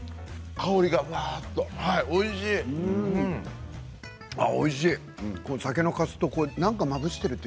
香りがふわっとしていておいしい。